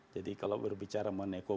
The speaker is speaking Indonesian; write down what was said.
jadi kalau berbicara